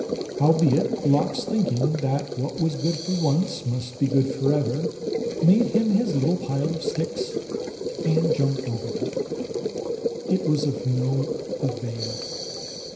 Howbeit Lox, think ing that what was good for once must be good forever, made him his little pile of sticks and jumped over them. It was of no avail.